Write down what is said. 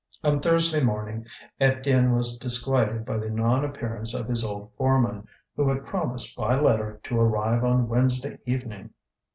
On Thursday morning Étienne was disquieted by the non appearance of his old foreman, who had promised by letter to arrive on Wednesday evening.